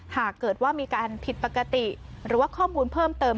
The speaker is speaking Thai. หากเกิดว่ามีการผิดปกติหรือว่าข้อมูลเพิ่มเติม